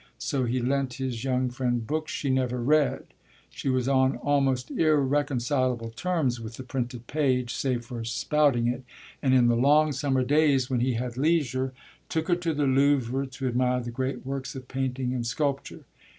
So he lent his young friend books she never read she was on almost irreconcilable terms with the printed page save for spouting it and in the long summer days, when he had leisure, took her to the Louvre to admire the great works of painting and sculpture.